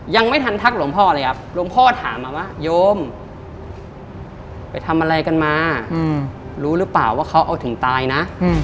ยังไม่ทันทักหลวงพ่อเลยครับหลวงพ่อถามมาว่าโยมไปทำอะไรกันมารู้หรือเปล่าว่าเขาเอาถึงตายนะ